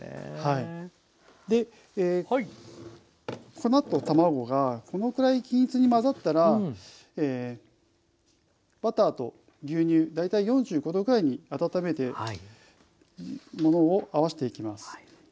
粉と卵がこのくらい均一に混ざったらバターと牛乳大体４５℃くらいに温めたものを合わせていきます。